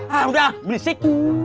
hah udah berisik